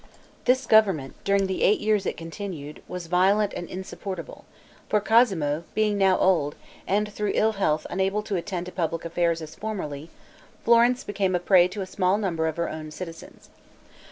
This government, during the eight years it continued, was violent and insupportable; for Cosmo, being now old, and through ill health unable to attend to public affairs as formerly, Florence became a prey to a small number of her own citizens.